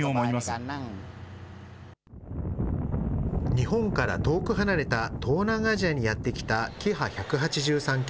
日本から遠く離れた東南アジアにやって来たキハ１８３系。